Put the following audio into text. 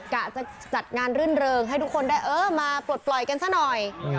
กะจะจัดงานรื่นเริงให้ทุกคนได้เออมาปลดปล่อยกันซะหน่อย